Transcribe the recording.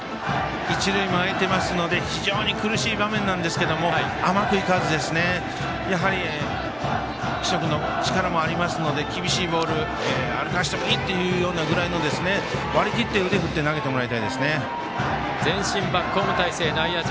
一塁も空いていますので非常に苦しい場面なんですけども甘くいかずにやはり、力もありますので厳しいボール歩かせてもいいというぐらいの割り切って腕振って前進バックホーム態勢内野陣。